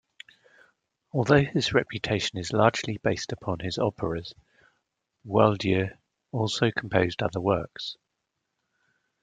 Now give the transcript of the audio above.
Although his reputation is largely based upon his operas, Boieldieu also composed other works.